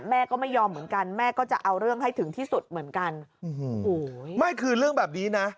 แม่ก็ไม่ยอมเหมือนกันแม่ก็จะเอาเรื่องให้ถึงที่สุดเหมือนกัน